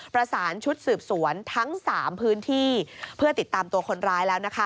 ประสานชุดสืบสวนทั้ง๓พื้นที่เพื่อติดตามตัวคนร้ายแล้วนะคะ